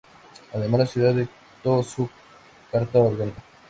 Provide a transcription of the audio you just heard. Además la ciudad dictó su Carta Orgánica.